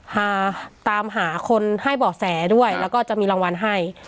หาตามหาคนให้เบาะแสด้วยแล้วก็จะมีรางวัลให้